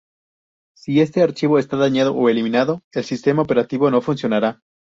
Si este archivo está dañado o eliminado, el sistema operativo no funcionará